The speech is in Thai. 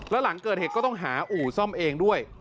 แล้วหลังเกิดเหตุก็ต้องหาอู่ซ่อมเองด้วย